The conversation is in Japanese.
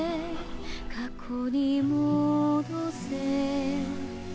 過去に戻せ